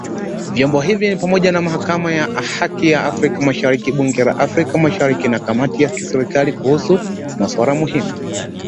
Vyombo hivi ni pamoja na Mahakama ya Haki ya Afrika Mashariki, Bunge la Afrika Mashariki na kamati za kisekta kuhusu masuala muhimu.